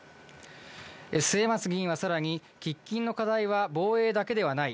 末松議員はさらに、喫緊の課題は防衛だけではない。